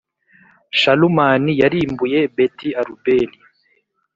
Shalumani yarimbuye Beti‐Arubeli,